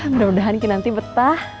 mudah mudahan nanti betah